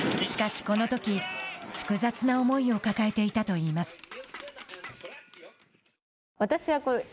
しかし、このとき複雑な思いを抱えていたといいます。